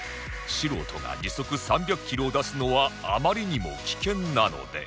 素人が時速３００キロを出すのはあまりにも危険なので